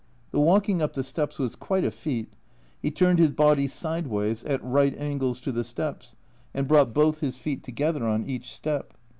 The walking up the steps was quite a feat he turned his body sideways, at right angles to the steps, and brought both his feet together on each step.